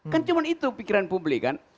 kan cuma itu pikiran publik kan